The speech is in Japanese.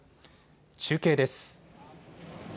中継です。